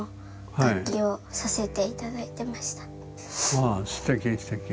あのああすてきすてき。